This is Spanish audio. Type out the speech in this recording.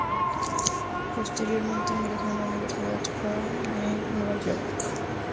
Posteriormente, ingresó en la Universidad Fordham de Nueva York.